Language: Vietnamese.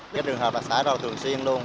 cái đường hợp là xảy ra thường xuyên luôn